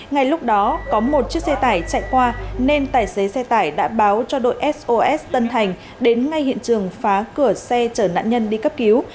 ngay lúc đó có một chiếc xe tải chạy qua nên tài xế xe tải đã báo cho đội sos tân thành đến ngay hiện trường phá cửa xe chở nạn nhân đi cấp cứu